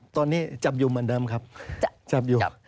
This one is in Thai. ตอนนี้จับอยู่เหมือนเดิมครับจับอยู่